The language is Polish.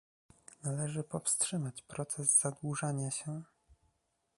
Należy powstrzymać proces zadłużania się